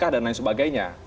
dan lain sebagainya